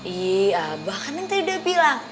iya mbak kan tadi udah bilang